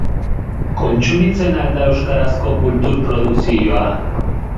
Kontsumitzen al da euskarazko kultur produkzioa?